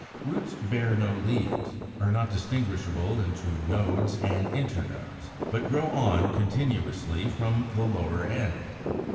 Roots bear no leaves, are not distinguishable into nodes and internodes, but grow on continuously from the lower end.